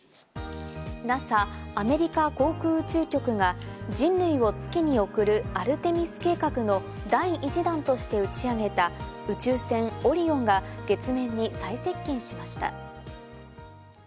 ＮＡＳＡ＝アメリカ航空宇宙局が人類を月に送るアルテミス計画の第１弾として打ち上げた宇宙船「オリオン」が月面に最接近しました。